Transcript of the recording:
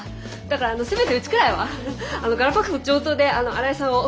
だからせめてうちくらいはガラパゴス上等で荒井さんを。